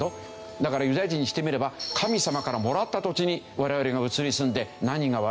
だからユダヤ人にしてみれば神様からもらった土地に我々が移り住んで何が悪いんだと。